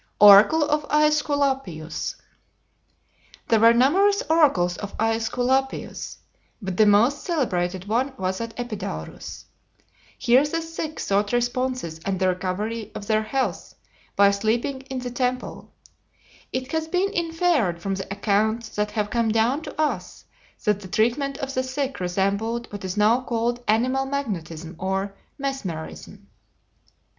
ORACLE OF AESCULAPIUS There were numerous oracles of Aesculapius, but the most celebrated one was at Epidaurus. Here the sick sought responses and the recovery of their health by sleeping in the temple. It has been inferred from the accounts that have come down to us that the treatment of the sick resembled what is now called Animal Magnetism or Mesmerism.